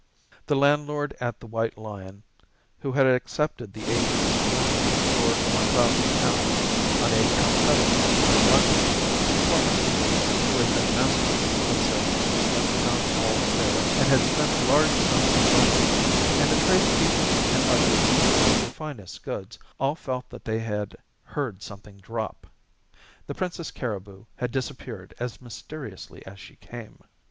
The landlord at the "White Lion" who had accepted the agent's order for £1,000 on a Calcutta firm in London; poor Mr. Worrall, who had been Master of Ceremonies at the town hall affair, and had spent large sums of money; and the tradespeople and others who sent their finest goods, all felt that they had "heard something drop." The Princess Cariboo had disappeared as mysteriously as she came.